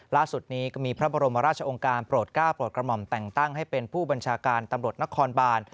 ล่าสุดนี้ก็มีพระบรมราชองค์การโปรดก้าวโปรดกระหม่อมแต่งตั้งให้เป็นผู้บัญชาการตำรวจนครบาน